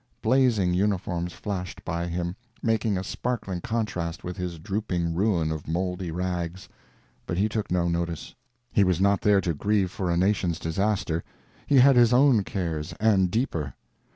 Blazing uniforms flashed by him, making a sparkling contrast with his drooping ruin of moldy rags, but he took no notice; he was not there to grieve for a nation's disaster; he had his own cares, and deeper.